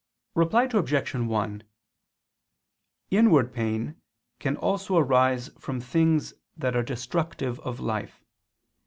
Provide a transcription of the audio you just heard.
Reply Obj. 1: Inward pain can also arise from things that are destructive of life.